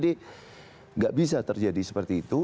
tidak bisa terjadi seperti itu